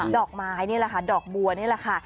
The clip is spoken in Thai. ดอกไม้นี่แหละค่ะดอกบัวนี่แหละค่ะ